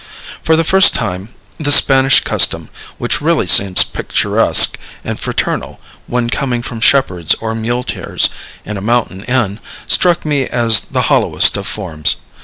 For the first time this Spanish custom, which really seems picturesque and fraternal when coming from shepherds or muleteers in a mountain inn, struck me as the hollowest of forms.